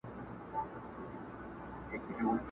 څه شڼهار د مرغلينو اوبو!!